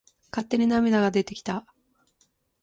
勝手に涙が出てきた。